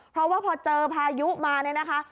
เพราะว่าพอเจอพายุมาเนี่ยนะคะ